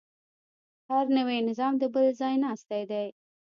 هر نوی نظام د بل ځایناستی دی.